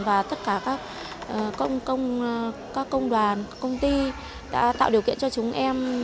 và tất cả các công đoàn công ty đã tạo điều kiện cho chúng em